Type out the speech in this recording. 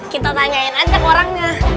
kita tanyain aja ke orangnya